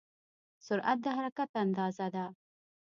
سرعت د حرکت اندازه ده.